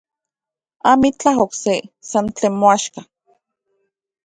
Amitlaj okse, san tlen moaxka.